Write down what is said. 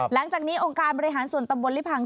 หลังจากนี้องค์การบริหารส่วนตำบลลิพัง